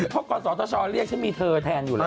ฉันไม่เป็นไรเขาพบก่อนสตชเรียกฉันมีเค้าแทนอยู่แล้ว